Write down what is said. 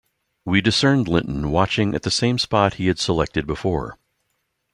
We discerned Linton watching at the same spot he had selected before.